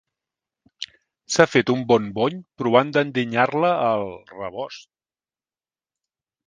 S'ha fet un bon bony provant d'endinyar-la al... rebost.